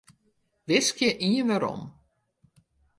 Wiskje ien werom.